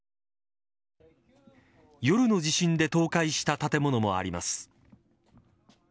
夜の地震で倒壊した建物もあります。